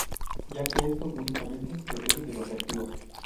Ya que esto únicamente depende de los reactivos.